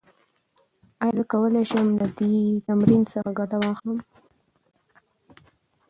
ایا زه کولی شم له دې تمرین څخه ګټه واخلم؟